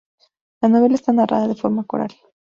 La novela está narrada de forma coral.